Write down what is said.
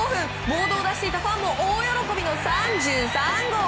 ボードを出していたファンも大喜びの３３号。